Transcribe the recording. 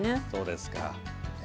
そうですか。